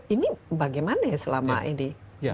ini bagaimana ya selama ini